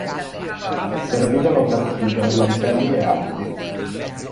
Servivano per chiudere mantelli e abiti.